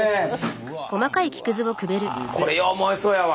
うわこれよう燃えそうやわ。